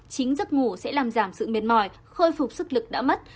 chính giấc ngủ sẽ làm giảm sự mệt mỏi khôi phục sức lực đã mất